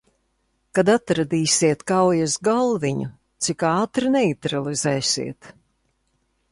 Kad atradīsiet kaujas galviņu, cik ātri neitralizēsiet?